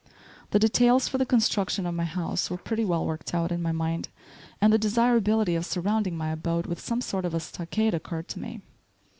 The details for the construction of my house were pretty well worked out in my mind; and the desirability of surrounding my abode with some sort of a stockade occurred to me.